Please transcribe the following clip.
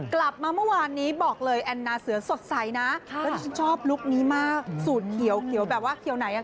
กลับมาเมื่อวานนี้บอกเลยแอนนาเสือสดใสนะชอบลูกนี้มากศูนย์เขียวแบบว่าเขียวไหน